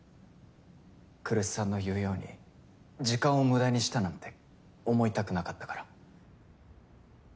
来栖さんの言うように時間を無駄にしたなんて思いたくなかったから。